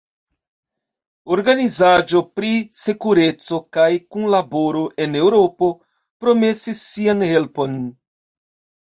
Organizaĵo pri Sekureco kaj Kunlaboro en Eŭropo promesis sian helpon.